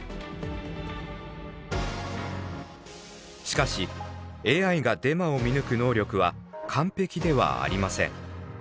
しかしＡＩがデマを見抜く能力は完璧ではありません。